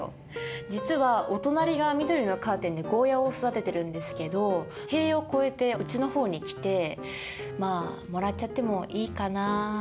実はお隣が緑のカーテンでゴーヤを育ててるんですけど塀を越えてうちの方に来てまあもらっちゃってもいいかなって。